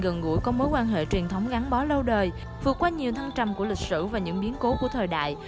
gần gũi có mối quan hệ truyền thống gắn bó lâu đời vượt qua nhiều thăng trầm của lịch sử và những biến cố của thời đại